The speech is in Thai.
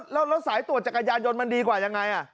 แล้วสายตรวจจักรยานยนต์มันดีกว่ายังไง